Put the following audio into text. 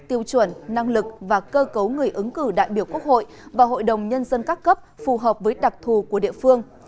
tiêu chuẩn năng lực và cơ cấu người ứng cử đại biểu quốc hội và hội đồng nhân dân các cấp phù hợp với đặc thù của địa phương